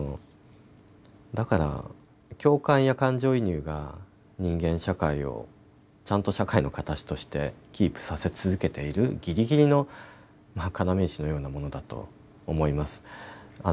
だから、共感や感情移入が人間社会をちゃんと社会の形としてキープさせ続けている、ぎりぎりの要石のようなものだと思います。